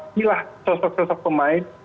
inilah sosok sosok pemain